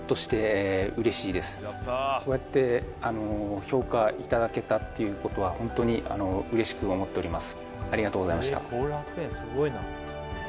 こうやってあの評価いただけたっていうことはホントにあの嬉しく思っております